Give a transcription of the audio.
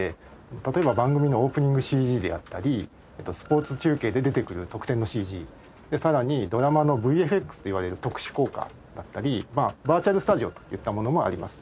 例えば番組のオープニングＣＧであったりスポーツ中継で出てくる得点のＣＧさらにドラマのＶＦＸといわれる特殊効果だったりバーチャルスタジオといったものもあります。